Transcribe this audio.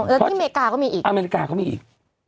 อ๋อแล้วที่อเมริกาก็มีอีก